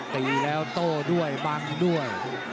ตีแล้วโต้ด้วยบังด้วย